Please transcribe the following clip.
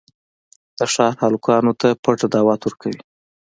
د ښار هلکانو ته پټ دعوت ورکوي.